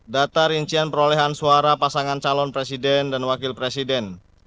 data rincian perolehan suara pasangan calon presiden dan wakil presiden